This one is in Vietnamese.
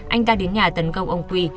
anh ta đến nhà tấn công ông quy